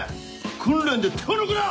訓練で手を抜くな！